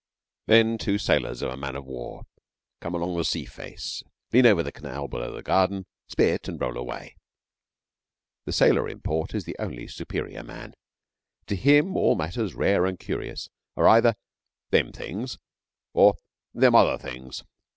Then two sailors of a man of war come along the sea face, lean over the canal below the garden, spit, and roll away. The sailor in port is the only superior man. To him all matters rare and curious are either 'them things' or 'them other things.'